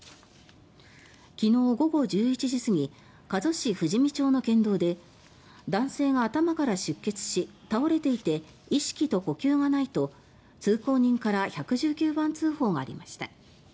昨日午後１１時過ぎ加須市富士見町の県道で男性が頭から出血し倒れていて意識と呼吸がないと、通行人から１１９番通報がありました。